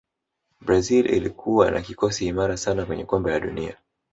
brazil ilikuwa na kikosi imara sana kwenye kombe la dunia